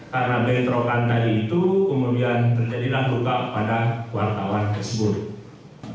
karena bentrokan tadi itu kemudian terjadilah luka pada wartawan tersebut